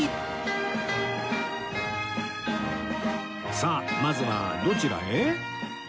さあまずはどちらへ？